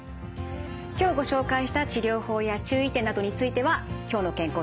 今日ご紹介した治療法や注意点などについては「きょうの健康」